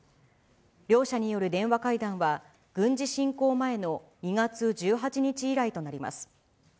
両者による電話会談は軍事侵攻前の２月１８日以来となります。